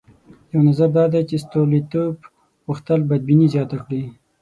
یو نظر دا دی چې ستولیتوف غوښتل بدبیني زیاته کړي.